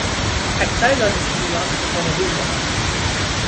اکثر دانشجویان اتومبیل دارند.